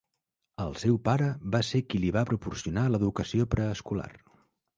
El seu pare va ser qui li va proporcionar l'educació preescolar.